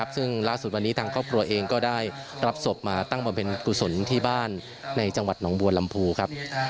ซึ่งล่าสุดวันนี้ทางครอบครัวเองก็ได้รับศพมาตั้งบำเพ็ญกุศลที่บ้านในจังหวัดหนองบัวลำพูครับ